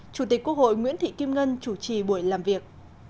chủ tịch quốc hội nguyễn thị kim ngân chủ trì buổi làm việc